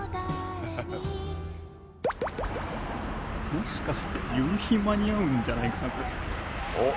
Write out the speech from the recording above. もしかして、夕日間に合うんじゃないか。